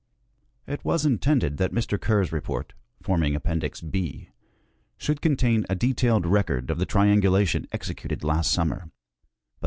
It was intended that Mr. Kerr's report, forming Appendix B, should contain a detailed record of the triangulation executed last summer, but a.